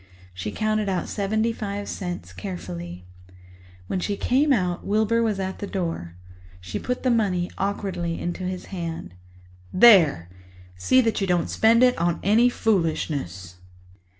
She counted out seventy five cents carefully. When she came out, Wilbur was at the door. She put the money awkwardly into his hand. "There, see that you don't spend it on any foolishness."